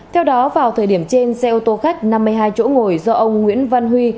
theo đó vào thời điểm trên xe ô tô khách năm mươi hai chỗ ngồi do ông nguyễn văn huy